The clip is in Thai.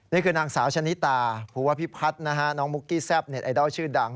นี่คือนางสาวชะนิตาภูวพิพัฒน์นะฮะน้องมุกกี้แซ่บเน็ตไอดอลชื่อดัง